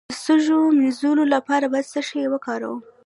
د سږو د مینځلو لپاره باید څه شی وکاروم؟